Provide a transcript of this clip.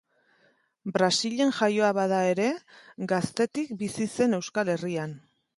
Brasilen jaioa bada ere, gaztetik bizi zen Euskal Herrian.